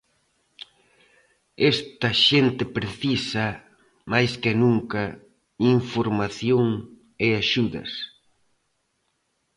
Esta xente precisa, máis que nunca, información e axudas.